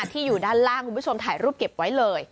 ที่อยู่ด้านล่างคุณผู้ชมถ่ายรูปเก็บไว้เลย